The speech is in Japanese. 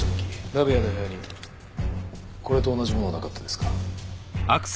鍋谷の部屋にこれと同じものはなかったですか？